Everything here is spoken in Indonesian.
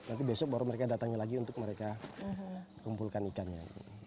nanti besok baru mereka datangi lagi untuk mereka kumpulkan ikannya